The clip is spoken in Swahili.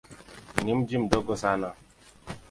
Ni mji mdogo sana.